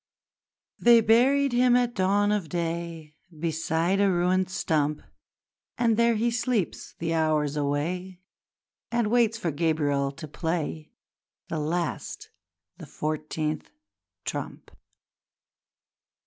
..... They buried him at dawn of day Beside a ruined stump: And there he sleeps the hours away And waits for Gabriel to play The last the fourteenth trump.